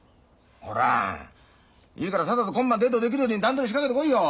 ほらいいからさっさと今晩デートできるように段取り仕掛けてこいよ。